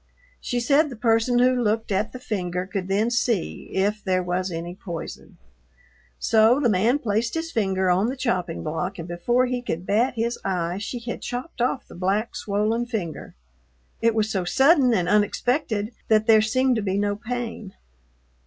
She said the person who looked at the finger could then see if there was any poison. So the man placed his finger on the chopping block and before he could bat his eye she had chopped off the black, swollen finger. It was so sudden and unexpected that there seemed to be no pain.